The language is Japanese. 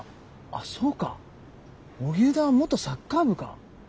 あっそうか荻生田は元サッカー部か。